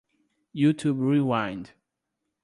Youtube Rewind.